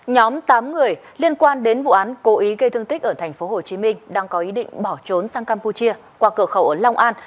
nhóm tám người liên quan đến vụ án cố ý gây thương tích ở tp hcm đang có ý định bỏ trốn sang campuchia qua cửa khẩu ở long an